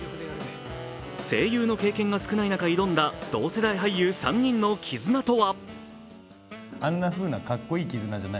声優の経験が少ない中挑んだ同世代俳優３人の絆とは？